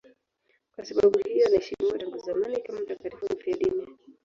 Kwa sababu hiyo anaheshimiwa tangu zamani kama mtakatifu mfiadini.